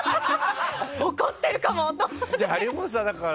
怒ってるかもって。